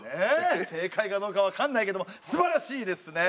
正解かどうか分かんないけどもすばらしいですね！